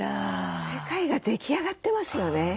世界が出来上がってますよね。